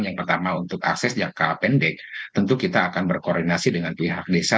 yang pertama untuk akses jangka pendek tentu kita akan berkoordinasi dengan pihak desa